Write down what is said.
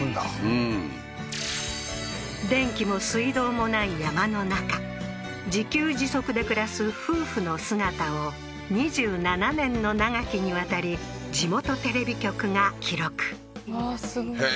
うん電気も水道も無い山の中自給自足で暮らす夫婦の姿を２７年の長きにわたり地元テレビ局が記録うわーすごいへ